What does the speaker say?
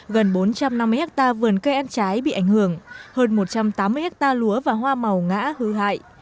gần bốn trăm năm mươi hectare vườn cây ăn trái bị ảnh hưởng hơn một trăm tám mươi hectare lúa và hoa màu ngã hư hại